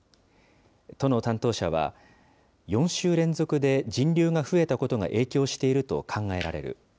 都の担当者は、４週連続で人流が増えたことが影響していると考えられる。